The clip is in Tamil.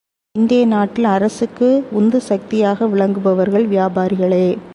இன்றைய நாட்டில் அரசுக்கு உந்துசக்தியாக விளங்குபவர்கள் வியாபாரிகளே!